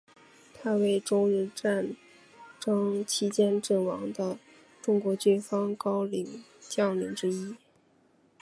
他为中日战争期间阵亡的中国军方高级将领之一。